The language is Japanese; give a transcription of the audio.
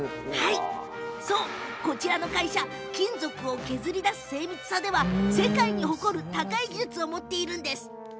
こちらの会社金属を削り出す精密さにおいては世界に誇る高い技術を持っています。